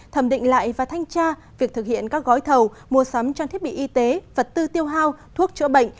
thẩm định lại và thanh tra việc thực hiện các gói thầu mua sắm trang thiết bị y tế vật tư tiêu hao thuốc chữa bệnh